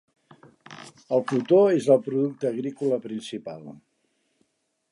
El Cotó és el producte agrícola principal.